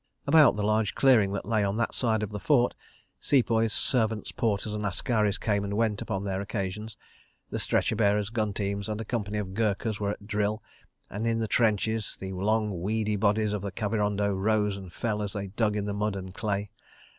About the large clearing that lay on that side of the fort, Sepoys, servants, porters and askaris came and went upon their occasions; the stretcher bearers, gun teams, and a company of Gurkhas were at drill; and in the trenches, the long, weedy bodies of the Kavirondo rose and fell as they dug in the mud and clay.